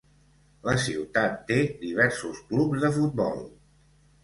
La ciutat té diversos clubs de futbol.